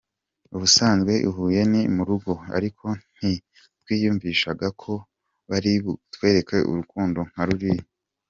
Ubusanzwe i Huye ni mu rugo ariko ntitwiyumvishaga ko bari butwereke urukundo nka ruriya.